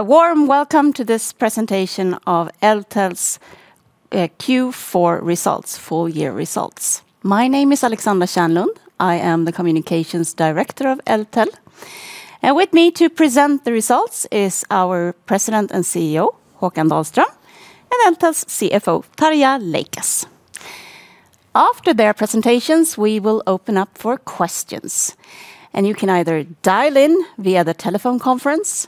A warm welcome to this presentation of Eltel's Q4 results, full year results. My name is Alexandra Kärnlund. I am the Communications Director of Eltel, and with me to present the results is our President and CEO, Håkan Dahlström, and Eltel's CFO, Tarja Leikas. After their presentations, we will open up for questions, and you can either dial in via the telephone conference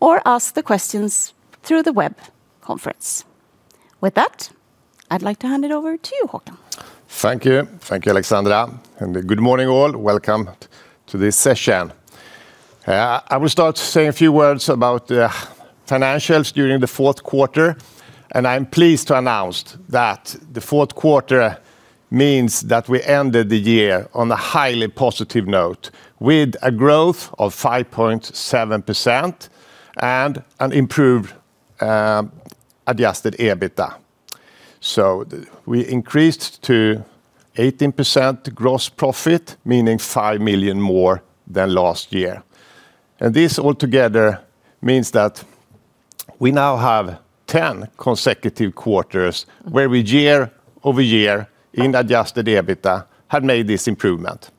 or ask the questions through the web conference. With that, I'd like to hand it over to you, Håkan. Thank you. Thank you, Alexandra, and good morning, all. Welcome to this session. I will start saying a few words about the financials during the fourth quarter, and I'm pleased to announce that the fourth quarter means that we ended the year on a highly positive note, with a growth of 5.7% and an improved adjusted EBITDA. We increased to 18% gross profit, meaning 5 million more than last year. And this all together means that we now have 10 consecutive quarters where we year-over-year, in adjusted EBITDA, have made this improvement.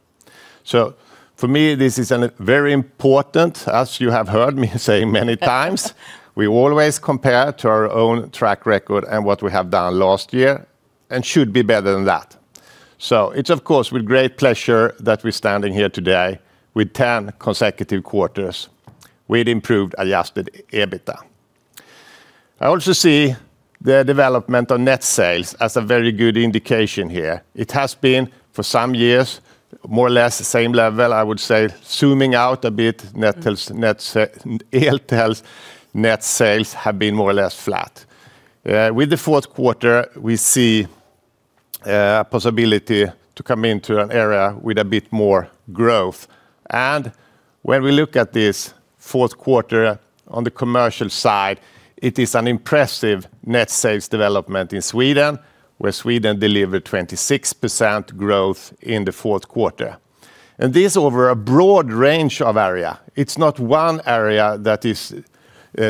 So for me, this is a very important, as you have heard me say many times. We always compare to our own track record and what we have done last year, and should be better than that. So it's of course with great pleasure that we're standing here today with 10 consecutive quarters with improved adjusted EBITDA. I also see the development of net sales as a very good indication here. It has been, for some years, more or less the same level. I would say zooming out a bit, Eltel's net sales have been more or less flat. With the fourth quarter, we see possibility to come into an era with a bit more growth. And when we look at this fourth quarter on the commercial side, it is an impressive net sales development in Sweden, where Sweden delivered 26% growth in the fourth quarter. And this over a broad range of area. It's not one area that is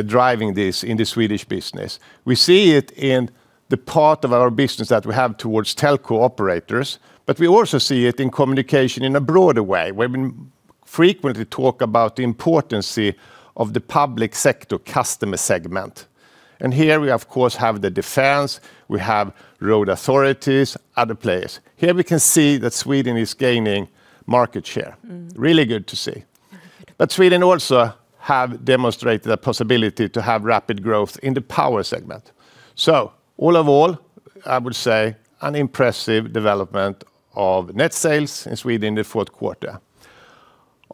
driving this in the Swedish business. We see it in the part of our business that we have towards telco operators, but we also see it in communication in a broader way, where we frequently talk about the importance of the public sector customer segment. Here we of course have the defense, we have road authorities, other players. Here we can see that Sweden is gaining market share. Really good to see. But Sweden also have demonstrated a possibility to have rapid growth in the power segment. So all of all, I would say an impressive development of net sales in Sweden in the fourth quarter.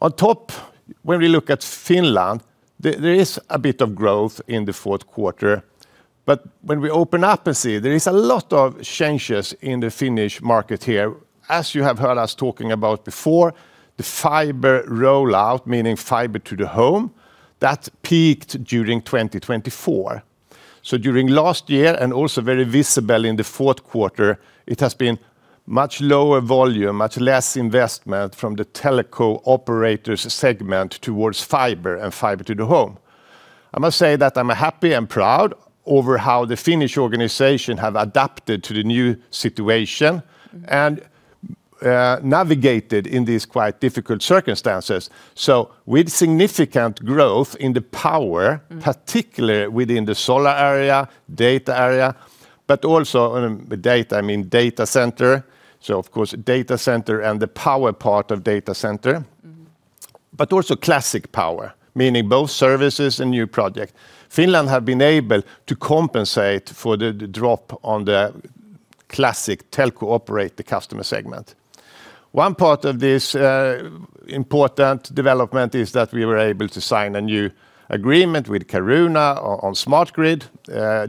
On top, when we look at Finland, there, there is a bit of growth in the fourth quarter, but when we open up and see, there is a lot of changes in the Finnish market here. As you have heard us talking about before, the fiber rollout, meaning fiber to the home, that peaked during 2024. So during last year, and also very visible in the fourth quarter, it has been much lower volume, much less investment from the telco operators segment towards fiber and fiber to the home. I must say that I'm happy and proud over how the Finnish organization have adapted to the new situation and, navigated in these quite difficult circumstances. So with significant growth in the power particularly within the solar area, data area, but also, the data, I mean, data center, so of course data center and the power part of data center. But also classic power, meaning both services and new project. Finland have been able to compensate for the drop on the classic telco operator customer segment. One part of this important development is that we were able to sign a new agreement with Caruna on smart grid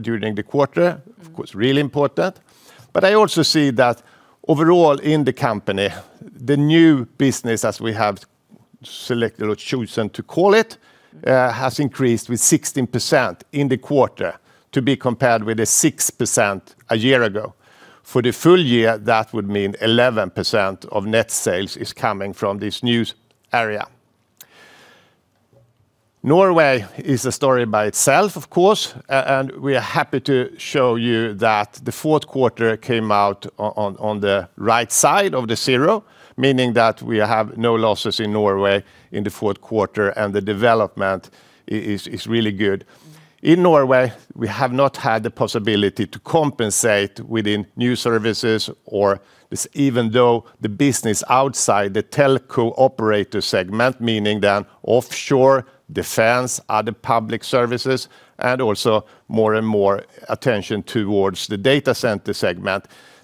during the quarter. Of course, really important. But I also see that overall in the company, the new business, as we have selected or chosen to call it, has increased with 16% in the quarter, to be compared with the 6% a year ago. For the full year, that would mean 11% of net sales is coming from this new area. Norway is a story by itself, of course, and we are happy to show you that the fourth quarter came out on the right side of the zero, meaning that we have no losses in Norway in the fourth quarter, and the development is really good. In Norway, we have not had the possibility to compensate within new services... even though the business outside the telco operator segment, meaning the offshore, defense, other public services, and also more and more attention towards the data center segment,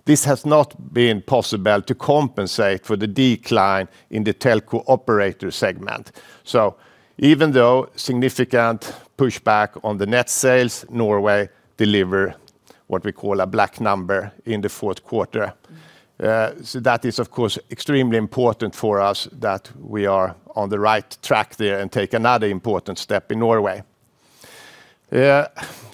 this has not been possible to compensate for the decline in the telco operator segment. So even though significant pushback on the net sales, Norway deliver what we call a black number in the fourth quarter. So that is, of course, extremely important for us, that we are on the right track there and take another important step in Norway. Yeah,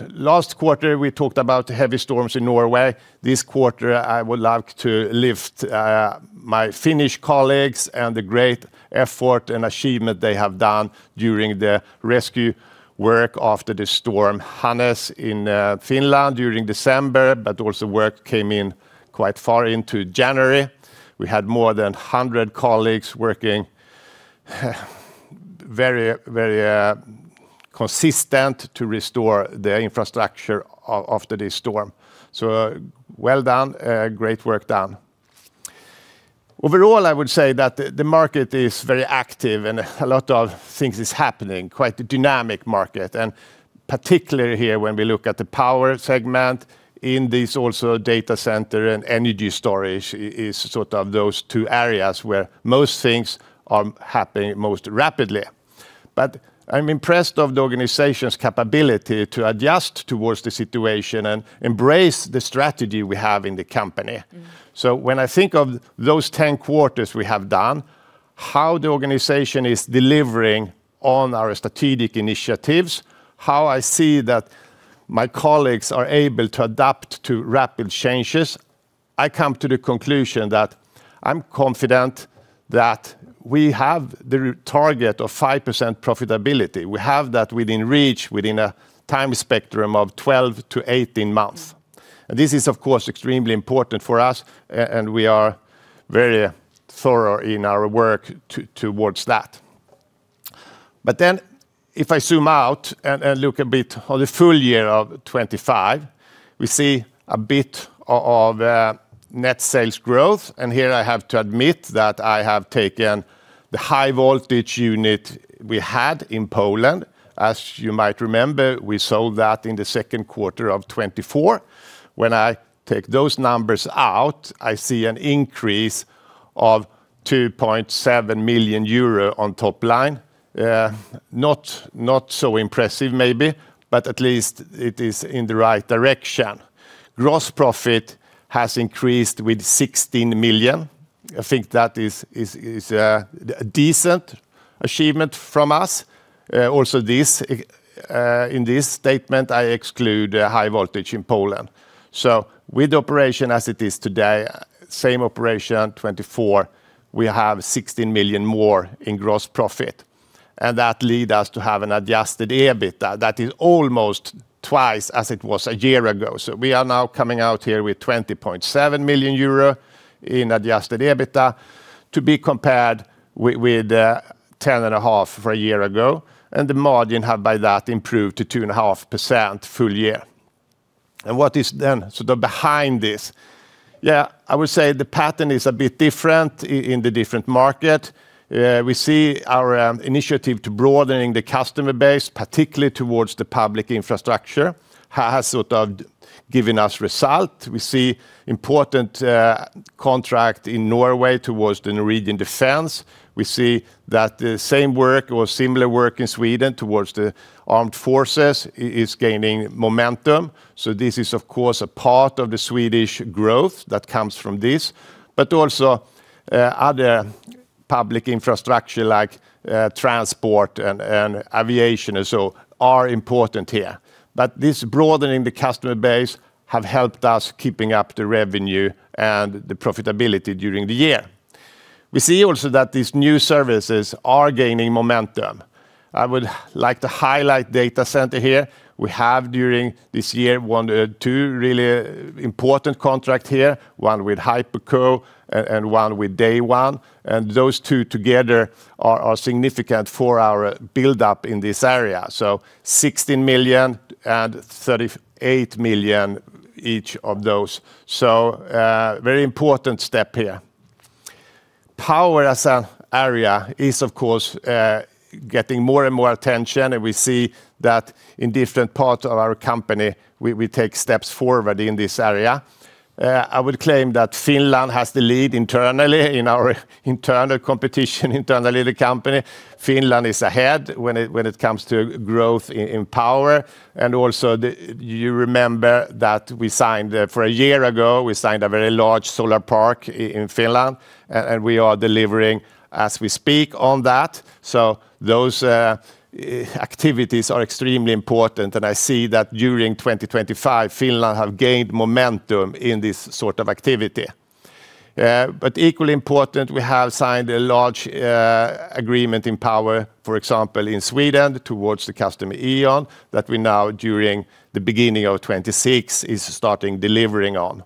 last quarter, we talked about the heavy storms in Norway. This quarter, I would like to lift my Finnish colleagues and the great effort and achievement they have done during the rescue work after the Storm Hannes in Finland during December but also work came in quite far into January. We had more than 100 colleagues working, very, very consistent to restore the infrastructure after this storm. So, well done. Great work done. Overall, I would say that the market is very active, and a lot of things is happening, quite a dynamic market, and particularly here, when we look at the power segment. In this also data center and energy storage is sort of those two areas where most things are happening most rapidly. But I'm impressed of the organization's capability to adjust towards the situation and embrace the strategy we have in the company. When I think of those 10 quarters we have done, how the organization is delivering on our strategic initiatives, how I see that my colleagues are able to adapt to rapid changes, I come to the conclusion that I'm confident that we have the target of 5% profitability. We have that within reach, within a time spectrum of 12-18 months. This is, of course, extremely important for us, and we are very thorough in our work towards that. But then, if I zoom out and look a bit on the full year of 2025, we see a bit of net sales growth, and here I have to admit that I have taken the High Voltage unit we had in Poland. As you might remember, we sold that in the second quarter of 2024. When I take those numbers out, I see an increase of 2.7 million euro on top line. Not so impressive maybe, but at least it is in the right direction. Gross profit has increased with 16 million. I think that is a decent achievement from us. Also, in this statement, I exclude High Voltage in Poland. So with the operation as it is today, same operation, 2024, we have 16 million more in gross profit, and that lead us to have an adjusted EBITDA that is almost 2x as it was a year ago. So we are now coming out here with 20.7 million euro in adjusted EBITDA, to be compared with 10.5 for a year ago, and the margin have by that improved to 2.5% full year. And what is then sort of behind this? Yeah, I would say the pattern is a bit different in the different market. We see our initiative to broadening the customer base, particularly towards the public infrastructure, has sort of given us result. We see important contract in Norway towards the Norwegian defense. We see that the same work or similar work in Sweden towards the armed forces is gaining momentum, so this is, of course, a part of the Swedish growth that comes from this. But also, other public infrastructure like transport and aviation and so are important here. But this broadening the customer base have helped us keeping up the revenue and the profitability during the year. We see also that these new services are gaining momentum. I would like to highlight data center here. We have, during this year, won two really important contract here, one with Hyperco and one with DayOne, and those two together are significant for our buildup in this area, so 16 million and 38 million, each of those, so very important step here. Power as an area is, of course, getting more and more attention, and we see that in different parts of our company. We take steps forward in this area. I would claim that Finland has the lead internally in our internal competition, internally in the company. Finland is ahead when it comes to growth in power, and also. You remember that we signed for a year ago, we signed a very large solar park in Finland, and we are delivering as we speak on that. So those activities are extremely important, and I see that during 2025, Finland have gained momentum in this sort of activity. But equally important, we have signed a large agreement in power, for example, in Sweden, towards the customer E.ON, that we now, during the beginning of 2026, is starting delivering on.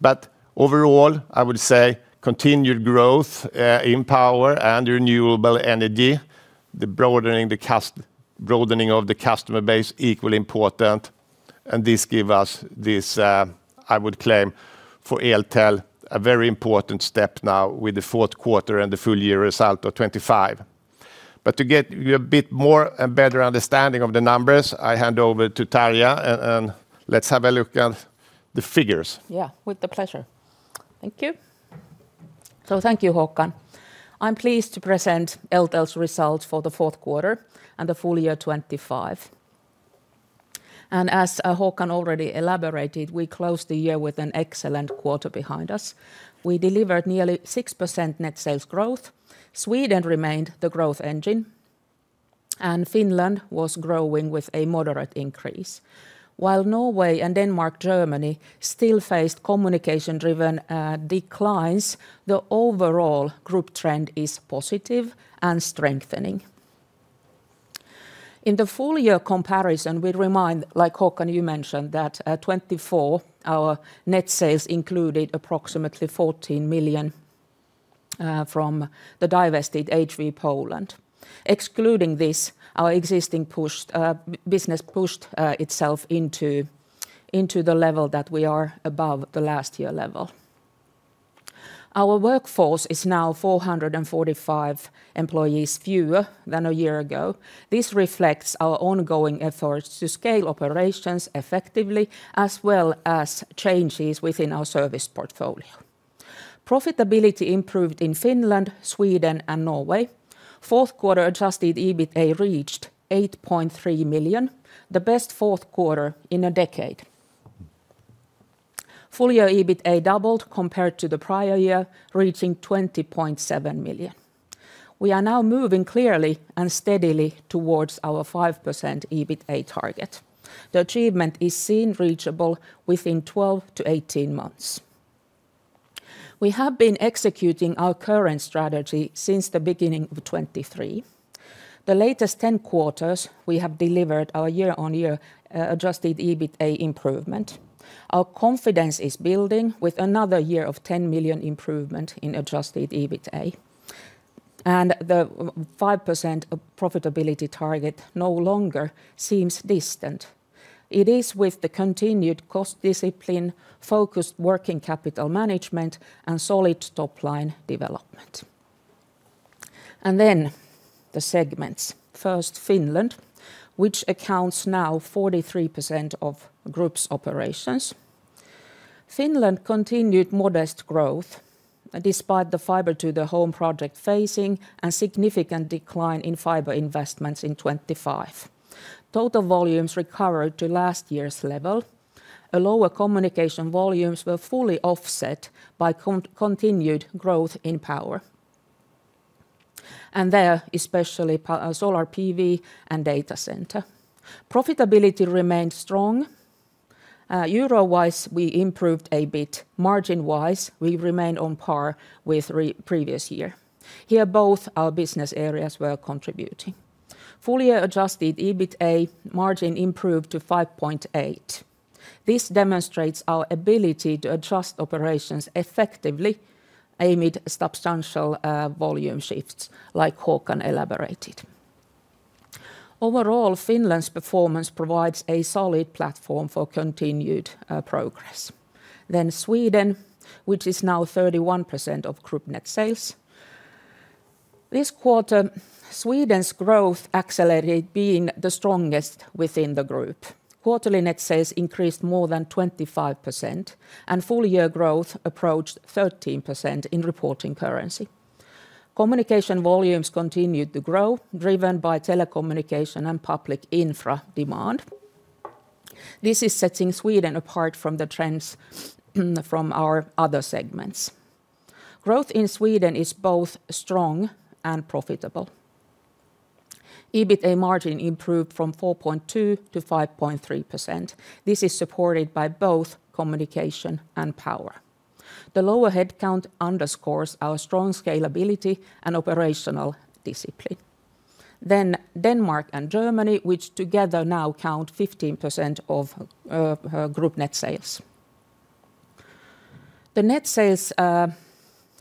But overall, I would say continued growth in power and renewable energy, broadening the customer base, equally important, and this give us this, I would claim, for Eltel, a very important step now with the fourth quarter and the full year result of 2025. But to get you a bit more and better understanding of the numbers, I hand over to Tarja and let's have a look at the figures. Yeah, with the pleasure. Thank you. So thank you, Håkan. I'm pleased to present Eltel's results for the fourth quarter and the full year 2025. And as Håkan already elaborated, we closed the year with an excellent quarter behind us. We delivered nearly 6% net sales growth. Sweden remained the growth engine, and Finland was growing with a moderate increase. While Norway, Denmark, and Germany still faced communication-driven declines, the overall group trend is positive and strengthening. In the full-year comparison, we remind you, like Håkan mentioned, that 2024, our net sales included approximately 14 million from the divested HV Poland. Excluding this, our existing business pushed itself into the level that we are above the last year level. Our workforce is now 445 employees fewer than a year ago. This reflects our ongoing efforts to scale operations effectively, as well as changes within our service portfolio. Profitability improved in Finland, Sweden, and Norway. Fourth quarter adjusted EBITDA reached 8.3 million, the best fourth quarter in a decade. Full-year EBITDA doubled compared to the prior year, reaching 20.7 million. We are now moving clearly and steadily towards our 5% EBITDA target. The achievement is seen reachable within 12-18 months. We have been executing our current strategy since the beginning of 2023. The latest 10 quarters, we have delivered our year-on-year adjusted EBITDA improvement. Our confidence is building with another year of 10 million improvement in adjusted EBITDA, and the 5% profitability target no longer seems distant. It is with the continued cost discipline, focused working capital management, and solid top-line development. And then the segments. First, Finland, which now accounts for 43% of group's operations. Finland continued modest growth, despite the fiber to the home project phasing and significant decline in fiber investments in 2025. Total volumes recovered to last year's level. Lower communication volumes were fully offset by continued growth in power, and there, especially power, solar PV and data center. Profitability remained strong. Euro-wise, we improved a bit. Margin-wise, we remained on par with previous year. Here, both our business areas were contributing. Full-year adjusted EBITDA margin improved to 5.8%. This demonstrates our ability to adjust operations effectively amid substantial volume shifts, like Håkan elaborated. Overall, Finland's performance provides a solid platform for continued progress. Then Sweden, which is now 31% of group net sales. This quarter, Sweden's growth accelerated, being the strongest within the group. Quarterly net sales increased more than 25%, and full-year growth approached 13% in reporting currency. Communication volumes continued to grow, driven by telecommunication and public infra demand. This is setting Sweden apart from the trends from our other segments. Growth in Sweden is both strong and profitable. EBITDA margin improved from 4.2%-5.3%. This is supported by both communication and power. The lower headcount underscores our strong scalability and operational discipline. Denmark and Germany, which together now count 15% of group net sales. Net sales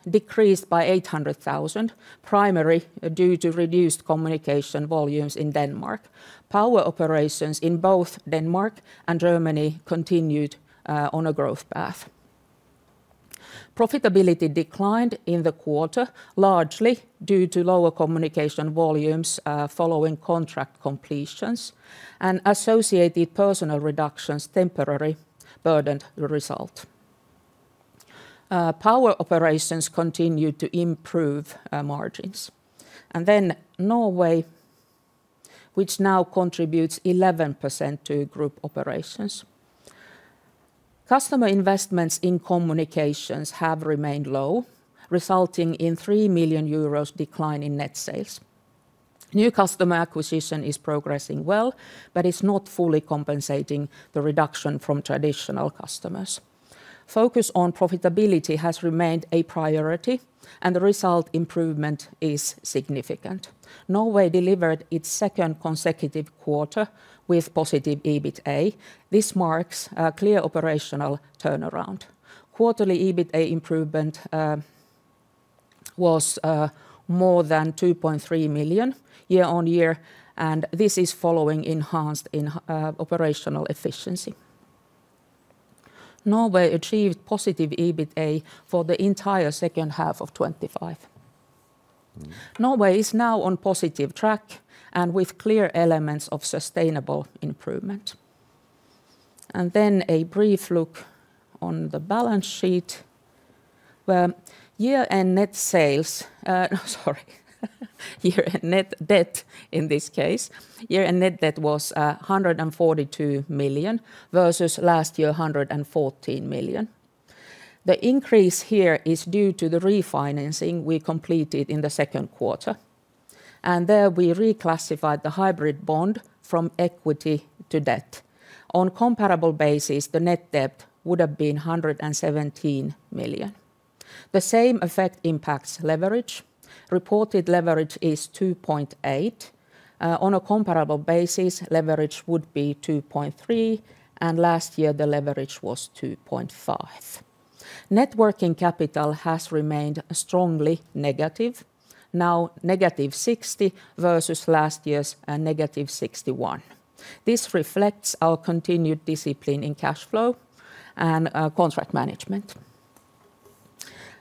decreased by 800,000, primarily due to reduced communication volumes in Denmark. Power operations in both Denmark and Germany continued on a growth path. Profitability declined in the quarter, largely due to lower communication volumes following contract completions and associated personnel reductions, temporarily burdened the result. Power operations continued to improve margins. Then Norway, which now contributes 11% to group operations. Customer investments in communications have remained low, resulting in 3 million euros decline in net sales. New customer acquisition is progressing well, but it's not fully compensating the reduction from traditional customers. Focus on profitability has remained a priority, and the result improvement is significant. Norway delivered its second consecutive quarter with positive EBITDA. This marks a clear operational turnaround. Quarterly EBITDA improvement was more than 2.3 million year-on-year, and this is following enhanced operational efficiency. Norway achieved positive EBITDA for the entire second half of 2025. Norway is now on positive track and with clear elements of sustainable improvement. Then a brief look on the balance sheet. Well, year-end net sales, no, sorry, year-end net debt in this case. Year-end net debt was 142 million versus last year, 114 million. The increase here is due to the refinancing we completed in the second quarter, and there we reclassified the hybrid bond from equity to debt. On comparable basis, the net debt would have been 117 million. The same effect impacts leverage. Reported leverage is 2.8. On a comparable basis, leverage would be 2.3, and last year the leverage was 2.5. Net working capital has remained strongly negative. Now, -60 million versus last year's -61 million. This reflects our continued discipline in cash flow and contract management.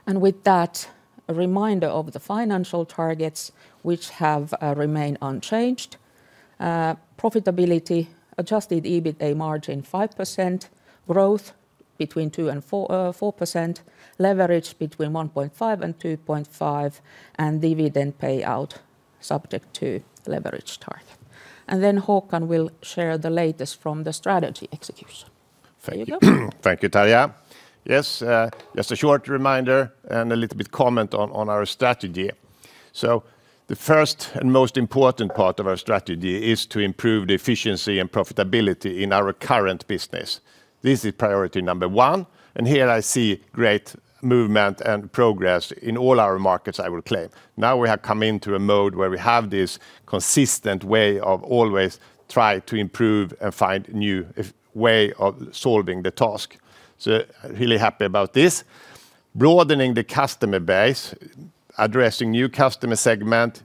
And with that, a reminder of the financial targets, which have remained unchanged. Profitability, adjusted EBITDA margin 5%, growth between 2% and 4%, leverage between 1.5 and 2.5, and dividend payout subject to leverage target. And then Håkan will share the latest from the strategy execution. Thank you. There you go. Thank you, Tarja. Yes, just a short reminder and a little bit comment on, on our strategy. So the first and most important part of our strategy is to improve the efficiency and profitability in our current business. This is priority number 1, and here I see great movement and progress in all our markets, I will claim. Now we have come into a mode where we have this consistent way of always try to improve and find new way of solving the task. So really happy about this. Broadening the customer base, addressing new customer segment,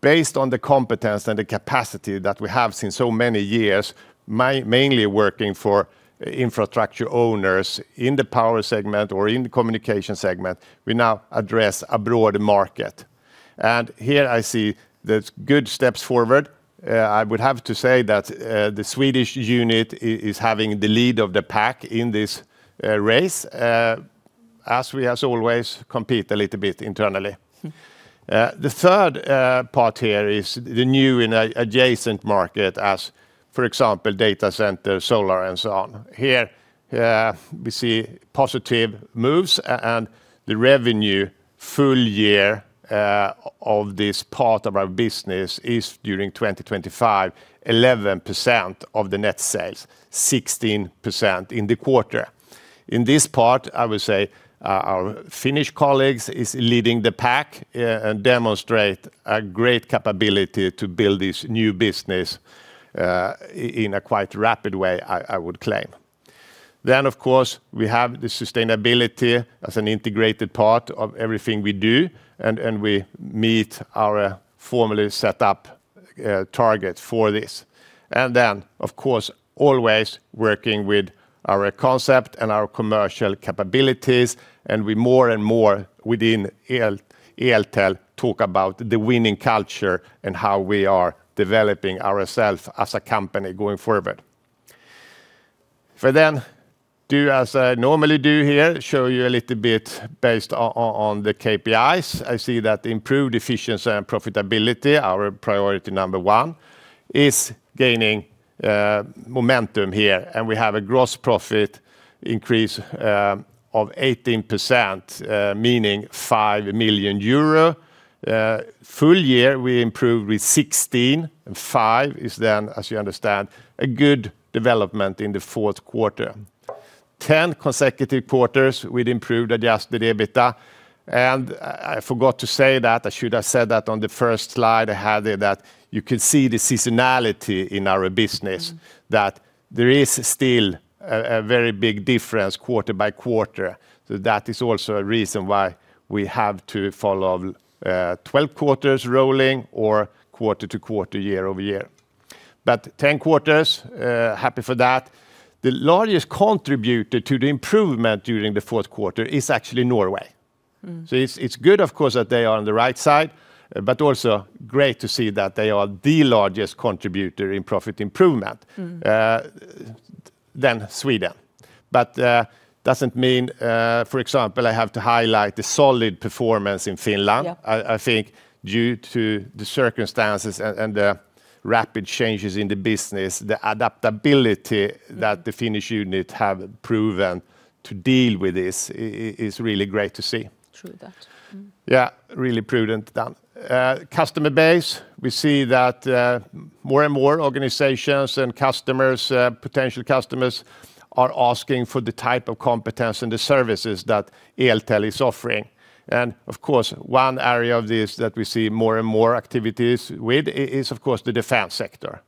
based on the competence and the capacity that we have seen so many years, mainly working for infrastructure owners in the power segment or in the communication segment, we now address a broader market. And here I see the good steps forward. I would have to say that the Swedish unit is having the lead of the pack in this race, as we as always compete a little bit internally. The third part here is the new and adjacent market as, for example, data center, solar, and so on. Here, we see positive moves, and the revenue full year of this part of our business is, during 2025, 11% of the net sales, 16% in the quarter. In this part, I would say our, our Finnish colleagues is leading the pack, and demonstrate a great capability to build this new business, in a quite rapid way, I, I would claim. Then, of course, we have the sustainability as an integrated part of everything we do, and, and we meet our formally set up target for this. And then, of course, always working with our concept and our commercial capabilities, and we more and more within Eltel talk about the winning culture and how we are developing ourselves as a company going forward. Then, I do as I normally do here, show you a little bit based on the KPIs. I see that improved efficiency and profitability, our priority number one, is gaining momentum here, and we have a gross profit increase of 18%, meaning 5 million euro. Full year we improved with 16%, and 5% is then, as you understand, a good development in the fourth quarter. 10 consecutive quarters with improved adjusted EBITDA, and I forgot to say that, I should have said that on the first slide I had there, that you could see the seasonality in our business that there is still a very big difference quarter by quarter. So that is also a reason why we have to follow 12 quarters rolling or quarter-to-quarter, year-over-year. But 10 quarters, happy for that. The largest contributor to the improvement during the fourth quarter is actually Norway. So it's good, of course, that they are on the right side, but also great to see that they are the largest contributor in profit improvement than Sweden. But, doesn't mean, for example, I have to highlight the solid performance in Finland. Yeah. I think due to the circumstances and the rapid changes in the business, the adaptability that the Finnish unit have proven to deal with this is really great to see. True that. Yeah, really prudent done. Customer base, we see that more and more organizations and customers, potential customers, are asking for the type of competence and the services that Eltel is offering. And of course, one area of this that we see more and more activities with is, of course, the defense sector.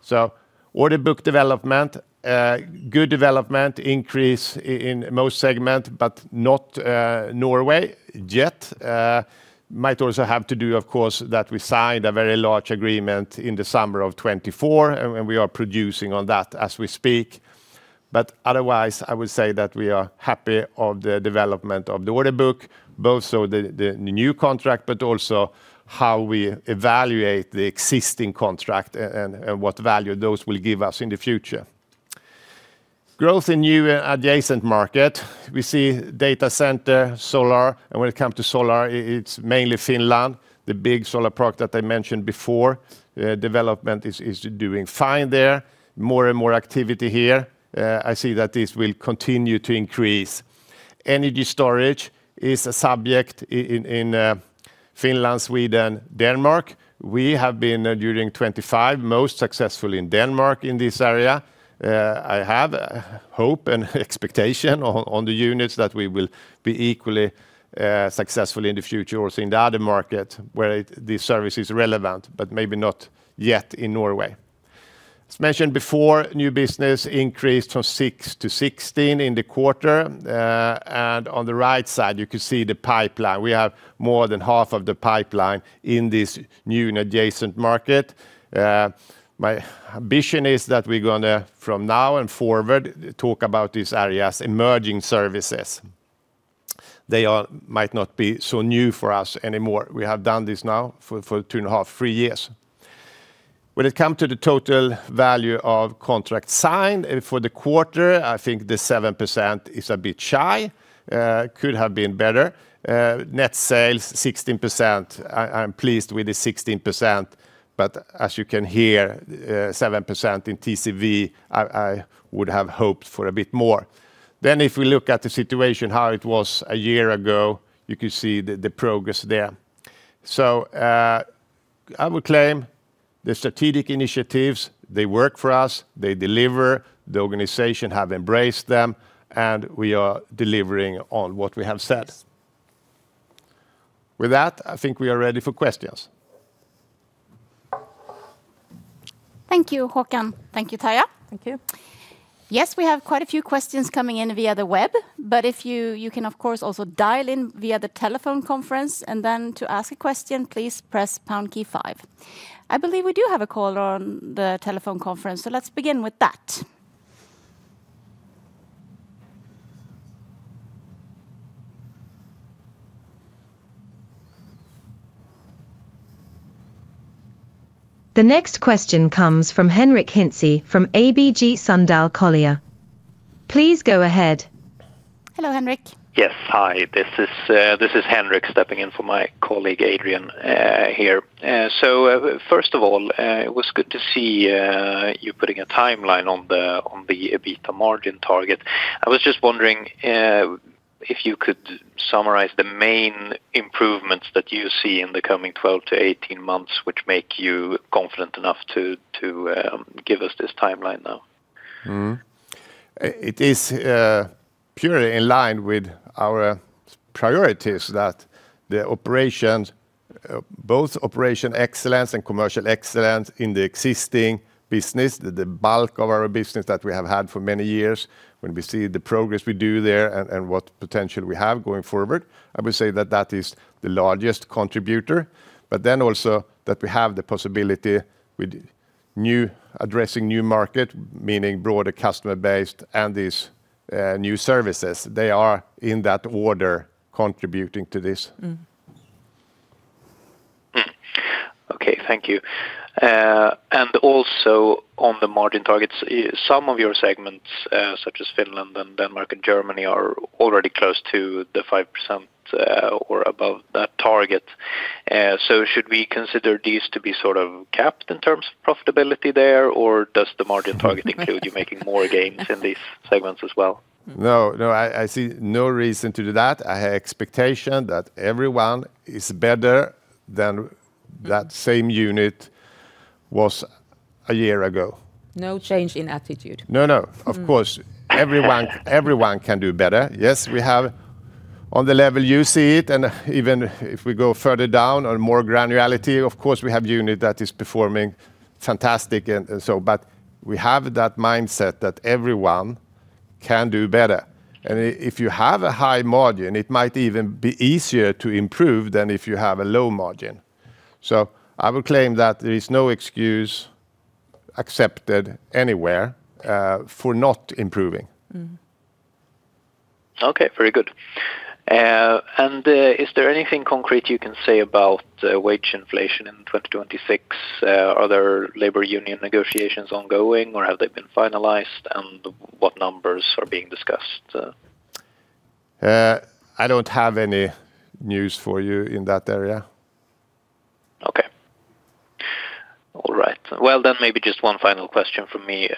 So order book development, good development, increase in most segment, but not Norway yet. Might also have to do, of course, that we signed a very large agreement in the summer of 2024, and we are producing on that as we speak. But otherwise, I would say that we are happy of the development of the order book, both so the, the new contract, but also how we evaluate the existing contract and what value those will give us in the future. Growth in new, adjacent market. We see data center, solar, and when it come to solar, it's mainly Finland, the big solar product that I mentioned before. Development is doing fine there. More and more activity here. I see that this will continue to increase. Energy storage is a subject in Finland, Sweden, Denmark. We have been during 2025 most successful in Denmark in this area. I have hope and expectation on the units that we will be equally successful in the future also in the other market where this service is relevant, but maybe not yet in Norway. As mentioned before, new business increased from 6 to 16 in the quarter. And on the right side, you can see the pipeline. We have more than half of the pipeline in this new and adjacent market. My ambition is that we're gonna, from now and forward, talk about these areas, emerging services. They might not be so new for us anymore. We have done this now for 2.5-3 years. When it come to the total value of contract signed, for the quarter, I think the 7% is a bit shy, could have been better. Net sales, 16%, I'm pleased with the 16%, but as you can hear, 7% in TCV, I would have hoped for a bit more. Then if we look at the situation, how it was a year ago, you could see the progress there. I would claim the strategic initiatives, they work for us, they deliver, the organization have embraced them, and we are delivering on what we have said. With that, I think we are ready for questions. Thank you, Håkan. Thank you, Tarja. Thank you. Yes, we have quite a few questions coming in via the web, but if you can, of course, also dial in via the telephone conference, and then to ask a question, please press pound key five. I believe we do have a caller on the telephone conference, so let's begin with that. The next question comes from Henric Hintze, from ABG Sundal Collier. Please go ahead. Hello, Henrik. Yes. Hi, this is Henric stepping in for my colleague, Adrian, here. So, first of all, it was good to see you putting a timeline on the EBITDA margin target. I was just wondering if you could summarize the main improvements that you see in the coming 12 to 18 months, which make you confident enough to give us this timeline now? It is purely in line with our priorities, that the operations both operational excellence and commercial excellence in the existing business, the bulk of our business that we have had for many years, when we see the progress we do there and what potential we have going forward. I would say that that is the largest contributor, but then also that we have the possibility with new... addressing new market, meaning broader customer base and these new services, they are, in that order, contributing to this. Okay, thank you. And also on the margin targets, some of your segments, such as Finland and Denmark and Germany, are already close to the 5%, or above that target. So should we consider these to be sort of capped in terms of profitability there, or does the margin target include you making more gains in these segments as well? No, no, I see no reason to do that. I have expectation that everyone is better than that same unit was a year ago. No change in attitude? No, no. Of course, everyone, everyone can do better. Yes, we have on the level you see it, and even if we go further down on more granularity, of course, we have unit that is performing fantastic and so, but we have that mindset that everyone can do better. And if you have a high margin, it might even be easier to improve than if you have a low margin. So I would claim that there is no excuse accepted anywhere for not improving. Okay, very good. Is there anything concrete you can say about wage inflation in 2026? Are there labor union negotiations ongoing, or have they been finalized, and what numbers are being discussed? I don't have any news for you in that area. Okay. All right. Well, then maybe just one final question from me.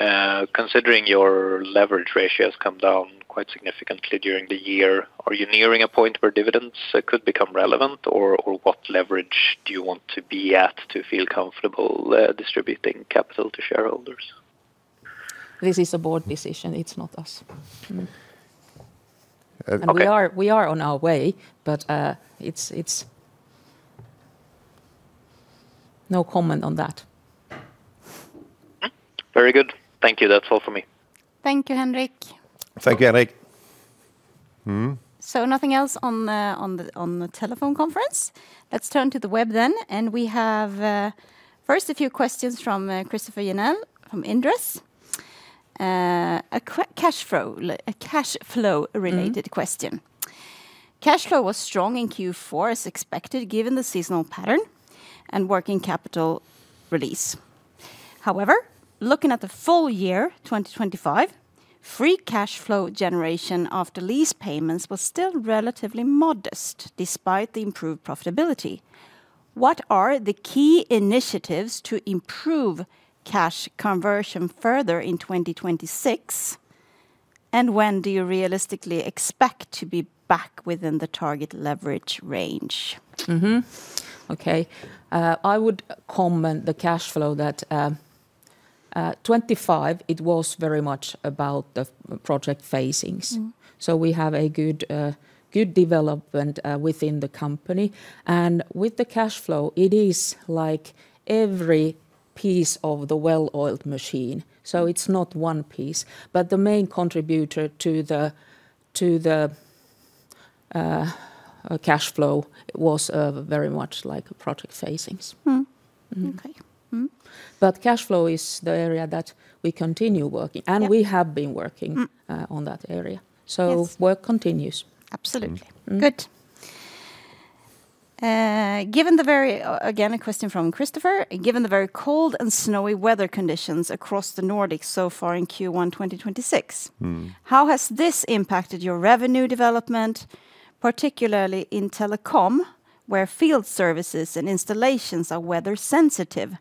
Considering your leverage ratio has come down quite significantly during the year, are you nearing a point where dividends could become relevant? Or, what leverage do you want to be at to feel comfortable distributing capital to shareholders? This is a board decision. It's not us. Uh, okay. We are on our way, but it's... No comment on that. Very good. Thank you. That's all for me. Thank you, Henric. Thank you, Henric. So nothing else on the telephone conference? Let's turn to the web then. We have first a few questions from Christoffer Jennel from Inderes. A cash flow-related question: cash flow was strong in Q4 as expected, given the seasonal pattern and working capital release. However, looking at the full year 2025, free cash flow generation after lease payments was still relatively modest, despite the improved profitability. What are the key initiatives to improve cash conversion further in 2026, and when do you realistically expect to be back within the target leverage range? Okay. I would comment the cash flow that 2025, it was very much about the project phasings. We have a good, good development within the company. With the cash flow, it is like every piece of the well-oiled machine, so it's not one piece. The main contributor to the cash flow was very much like project phasings. But cash flow is the area that we continue working and we have been working on that area. Yes. So work continues. Absolutely.Good. Again, a question from Christoffer: "Given the very cold and snowy weather conditions across the Nordics so far in Q1 2026 how has this impacted your revenue development, particularly in telecom, where field services and installations are weather sensitive?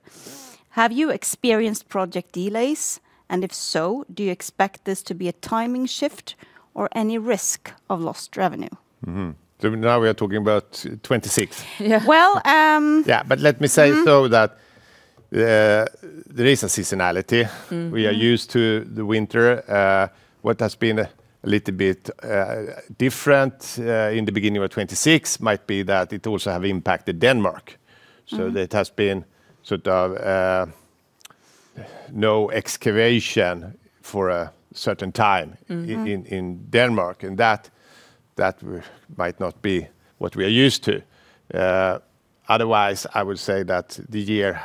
Have you experienced project delays, and if so, do you expect this to be a timing shift or any risk of lost revenue? So now we are talking about 2026. Yeah. Well, um- Yeah, but let me say though that, there is a seasonality. We are used to the winter. What has been a little bit different in the beginning of 2026 might be that it also have impacted Denmark. So it has been sort of no excavation for a certain time in Denmark, and that might not be what we are used to. Otherwise, I would say that the year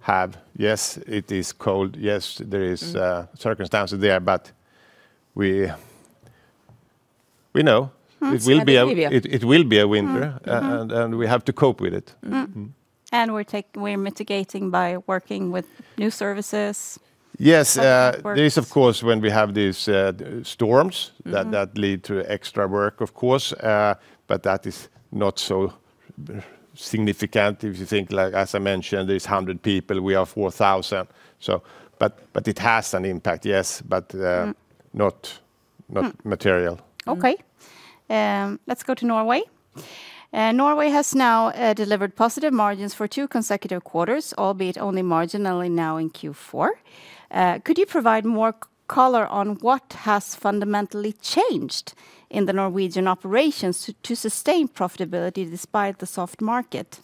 have, yes, it is cold. Yes, there is circumstances there, but we know- So, do we?... it will be a winter and we have to cope with it. We're mitigating by working with new services? Yes. Uh, works. There is, of course, when we have these storms that that lead to extra work, of course. But that is not so significant if you think, like, as I mentioned, there's 100 people, we are 4,000. So, but it has an impact, yes, but not material. Okay. Let's go to Norway. Norway has now delivered positive margins for two consecutive quarters, albeit only marginally now in Q4. Could you provide more color on what has fundamentally changed in the Norwegian operations to sustain profitability despite the soft market?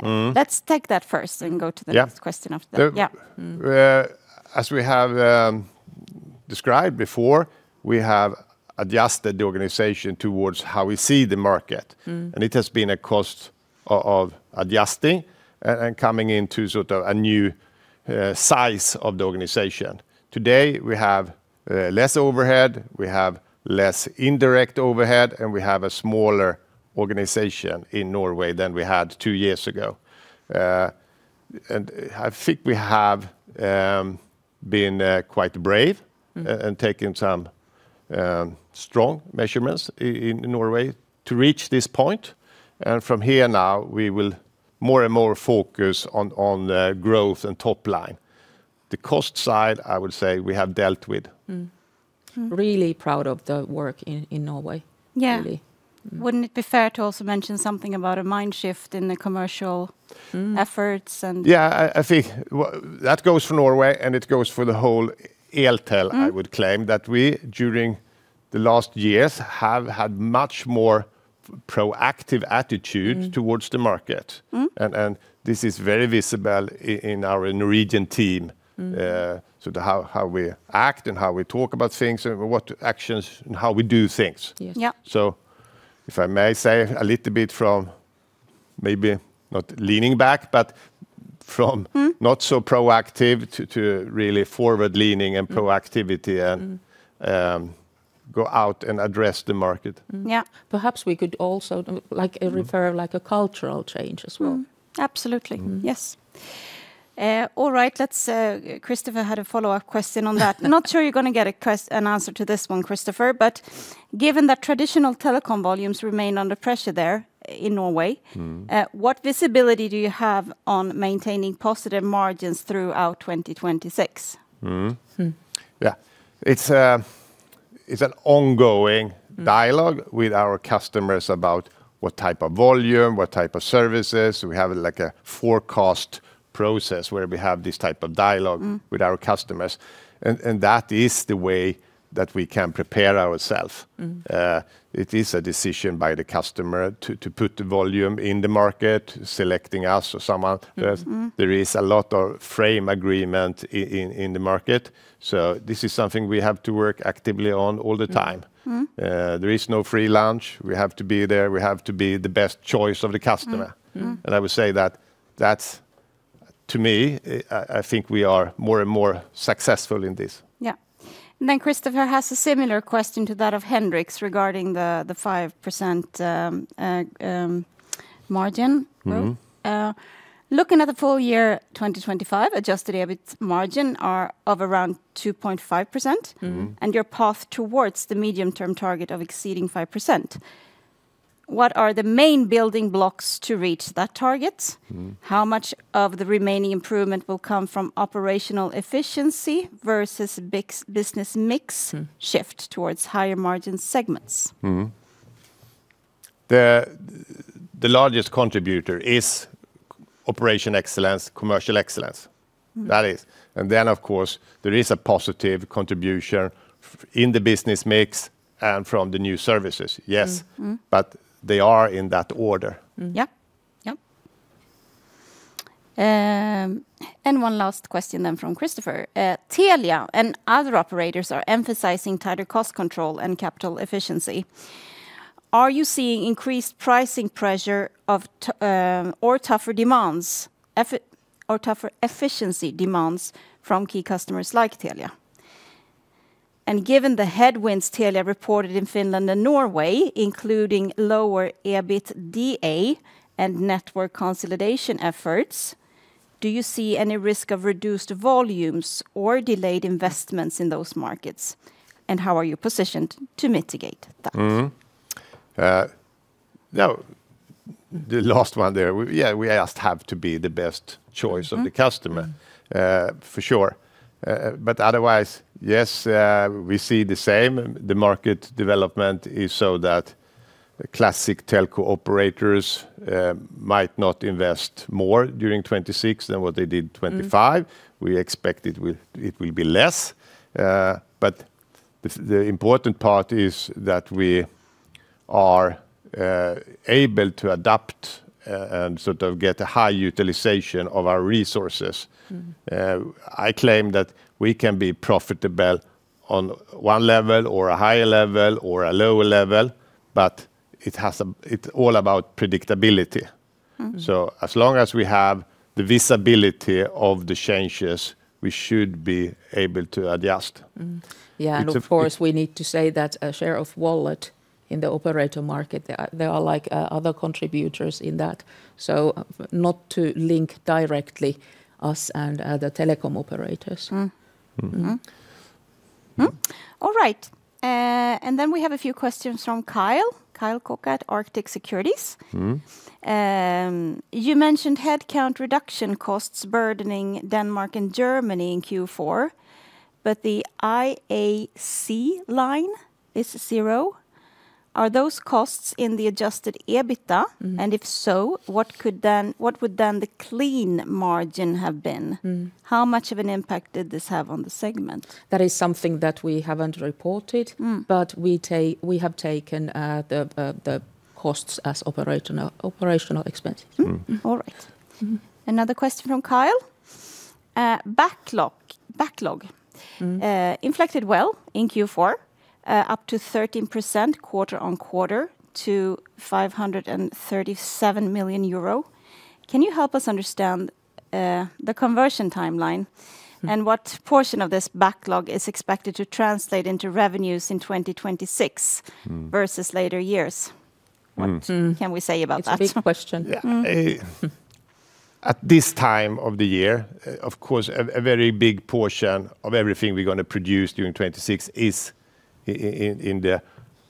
Let's take that first and go to the- Yeah... next question after that. Yeah. As we have described before, we have adjusted the organization towards how we see the market. It has been a cost of adjusting and coming into sort of a new size of the organization. Today, we have less overhead, we have less indirect overhead, and we have a smaller organization in Norway than we had two years ago. I think we have been quite brave and taking some strong measurements in Norway to reach this point. From here now, we will more and more focus on growth and top line. The cost side, I would say, we have dealt with. Really proud of the work in Norway- Yeah... really. Wouldn't it be fair to also mention something about a mind shift in the commercial efforts and- Yeah, I think that goes for Norway, and it goes for the whole Eltel. I would claim that we, during the last years, have had much more proactive attitude towards the market. And this is very visible in our Norwegian team. So how we act and how we talk about things and what actions, and how we do things. Yes. Yeah. If I may say, a little bit from maybe not leaning back, but from not so proactive to really forward-leaning and proactivity and, go out and address the market. Yeah. Perhaps we could also do, like, a refer like a cultural change as well. Absolutely. Yes. All right, Christoffer had a follow-up question on that. Not sure you're gonna get an answer to this one, Christoffer, but given that traditional telecom volumes remain under pressure there in Norway what visibility do you have on maintaining positive margins throughout 2026? Yeah, it's an ongoing dialogue with our customers about what type of volume, what type of services. We have, like, a forecast process where we have this type of dialogue with our customers, and that is the way that we can prepare ourselves. It is a decision by the customer to put the volume in the market, selecting us or someone else. There is a lot of framework agreements in the market, so this is something we have to work actively on all the time. There is no free lunch. We have to be there. We have to be the best choice of the customer. I would say that, to me, I think we are more and more successful in this. Yeah. And then Christoffer has a similar question to that of Henric regarding the 5% margin. Looking at the full year 2025, adjusted EBIT margin are of around 2.5% and your path towards the medium-term target of exceeding 5%. What are the main building blocks to reach that target? How much of the remaining improvement will come from operational efficiency versus business mix shift towards higher margin segments? The largest contributor is operational excellence, commercial excellence. That is. And then, of course, there is a positive contribution in the business mix and from the new services. Yes. But they are in that order. And one last question then from Christoffer. Telia and other operators are emphasizing tighter cost control and capital efficiency. Are you seeing increased pricing pressure or tougher demands or tougher efficiency demands from key customers like Telia? And given the headwinds Telia reported in Finland and Norway, including lower EBITDA and network consolidation efforts, do you see any risk of reduced volumes or delayed investments in those markets? And how are you positioned to mitigate that? Now, the last one there, yeah, we just have to be the best choice of the customer. For sure. But otherwise, yes, we see the same. The market development is so that classic telco operators might not invest more during 2026 than what they did 2025. We expect it will, it will be less. But the important part is that we are able to adapt, and sort of get a high utilization of our resources. I claim that we can be profitable on one level or a higher level or a lower level, but it's all about predictability. As long as we have the visibility of the changes, we should be able to adjust. Yeah- It's, uh-... and of course, we need to say that a share of wallet in the operator market, there are like other contributors in that, so not to link directly us and the telecom operators. All right. And then we have a few questions from Kyle, Kyle Cook at Arctic Securities. You mentioned headcount reduction costs burdening Denmark and Germany in Q4, but the IAC line is zero. Are those costs in the adjusted EBITDA? What would then the clean margin have been? How much of an impact did this have on the segment? That is something that we haven't reported but we have taken the costs as operational expenses. All right. Another question from Kyle. Backlog inflected well in Q4, up to 13% quarter-on-quarter to 537 million euro. Can you help us understand the conversion timeline and what portion of this backlog is expected to translate into revenues in 2026 versus later years? What can we say about that? It's a big question. Yeah. At this time of the year, of course, a very big portion of everything we're gonna produce during 2026 is in,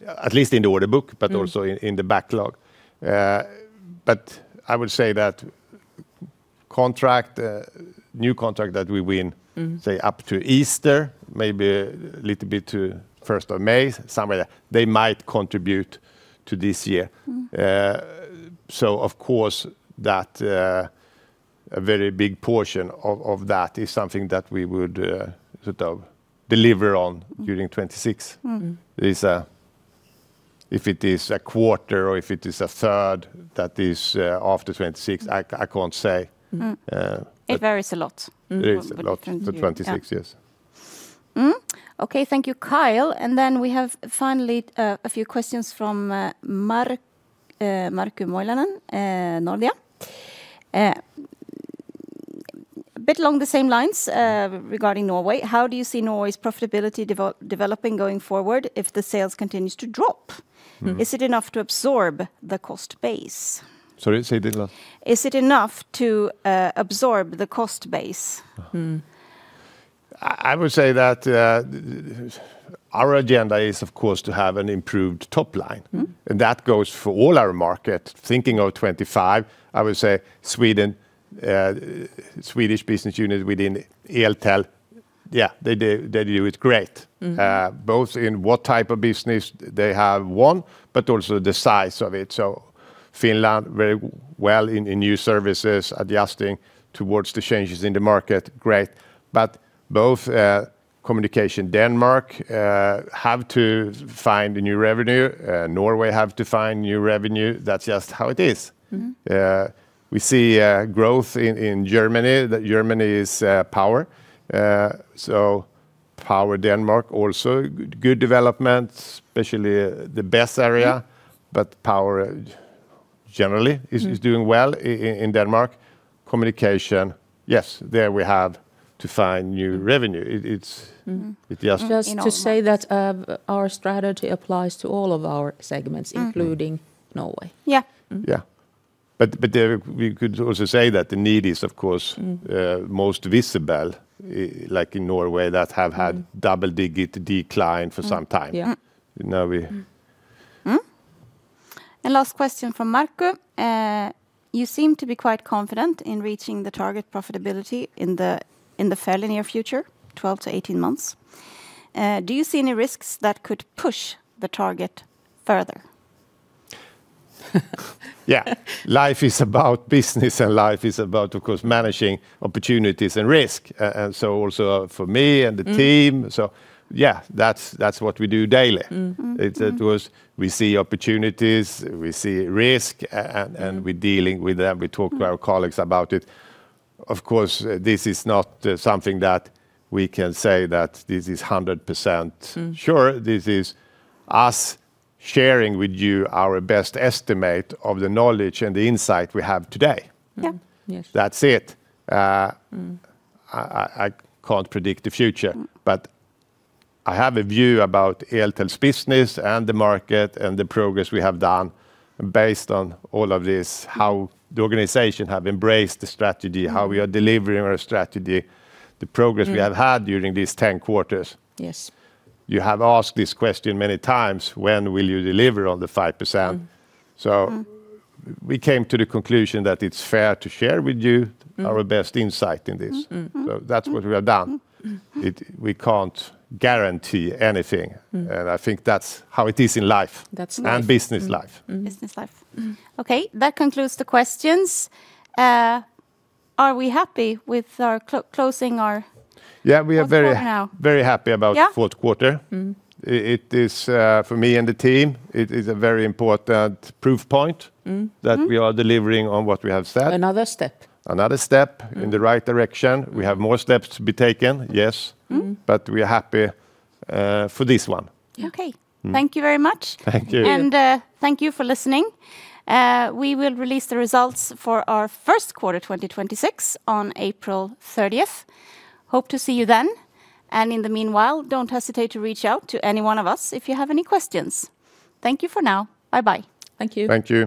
at least in the order book but also in, in the backlog. But I would say that contract, new contract that we win say up to Easter, maybe a little bit to 1st of May, somewhere there, they might contribute to this year. So of course, that, a very big portion of, of that is something that we would, sort of deliver on during 2026. Is, if it is a quarter or if it is a third, that is, after 2026, I, I can't say. It varies a lot. It varies a lot. Thank you.... for 2026, yes. Okay, thank you, Kyle. And then we have finally a few questions from Markku Moilanen, Nordea. A bit along the same lines, regarding Norway. How do you see Norway's profitability developing going forward if the sales continues to drop? Is it enough to absorb the cost base? Sorry, say it again last. Is it enough to absorb the cost base? I would say that our agenda is, of course, to have an improved top line. That goes for all our markets. Thinking of 2025, I would say Sweden, Swedish business unit within Eltel, yeah, they do, they do it great. Both in what type of business they have, one, but also the size of it. So Finland very well in new services, adjusting towards the changes in the market, great. But both communication Denmark have to find a new revenue. Norway have to find new revenue. That's just how it is. We see growth in Germany, that Germany is power. Power Denmark also good, good development, especially the best area, but power generally is doing well in Denmark. Communication, yes, there we have to find new revenue. It, it's- It just- Just to say that, our strategy applies to all of our segments including Norway. Yeah. Yeah. But there we could also say that the need is, of course most visible, like in Norway, that have had double-digit decline for some time. Yeah. Now we- Last question from Marco: "You seem to be quite confident in reaching the target profitability in the fairly near future, 12-18 months. Do you see any risks that could push the target further? Yeah. Life is about business, and life is about, of course, managing opportunities and risk. And so also for me and the team so yeah, that's what we do daily. We see opportunities, we see risk, and we're dealing with them. We talk to our colleagues about it. Of course, this is not something that we can say that this is 100% sure, this is us sharing with you our best estimate of the knowledge and the insight we have today. Yeah. Yes. That's it. I can't predict the future. I have a view about Eltel's business and the market, and the progress we have done based on all of this, how the organization have embraced the strategy how we are delivering our strategy, the progress we have had during these 10 quarters. Yes. You have asked this question many times: "When will you deliver on the 5%? So we came to the conclusion that it's fair to share with you our best insight in this. That's what we have done. We can't guarantee anything. I think that's how it is in life- That's life... and business life. Business life. Okay, that concludes the questions. Are we happy with our closing our- Yeah, we are very- Fourth quarter now?... very happy about- Yeah... fourth quarter. It is, for me and the team, it is a very important proof point that we are delivering on what we have said. Another step. Another step in the right direction. We have more steps to be taken, yes. But we are happy for this one. Yeah. Okay. Thank you very much. Thank you. Thank you for listening. We will release the results for our first quarter 2026, on April 30th. Hope to see you then. In the meanwhile, don't hesitate to reach out to any one of us if you have any questions. Thank you for now. Bye bye. Thank you. Thank you.